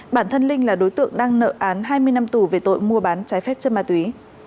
bản thân linh là đối tượng đang nợ án hai mươi năm tù về tội mua bán trái phép chất ma túy